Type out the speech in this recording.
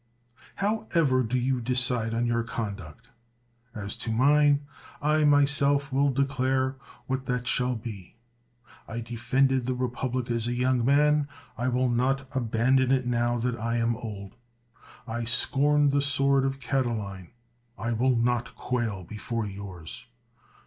However, do you decide on your con duct. As to mine, I myself will declare what that shall be. I defended the republic as a young man ; I will not abandon it now that I am old. I scorned the sword of Catiline; I will not quail before yours.